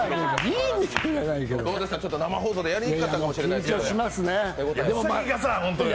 生放送でやりにくかったかもしれないですけど？